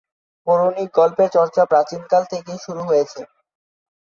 পৌরাণিক গল্পের চর্চা প্রাচীন কাল থেকেই শুরু হয়েছে।